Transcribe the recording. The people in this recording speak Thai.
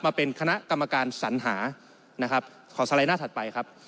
มาเป็นคณะกรรมการสัญหานะครับขอสไลด์หน้าถัดไปครับ